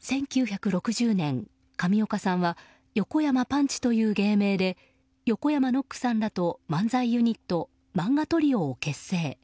１９６０年、上岡さんは横山パンチという芸名で横山ノックさんらと漫才ユニット、漫画トリオを結成。